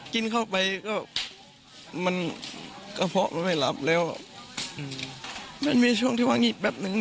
กินเข้าไปกระเพาะไม่หลับแล้วมันมีช่วงที่ว่าหงีแป๊บหนึ่ง